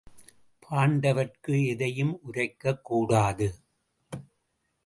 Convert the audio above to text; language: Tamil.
பாண்டவர்க்கு எதையும் உரைக்கக் கூடாது.